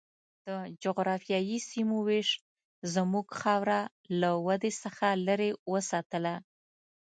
د جغرافیایي سیمو وېش زموږ خاوره له ودې څخه لرې وساتله.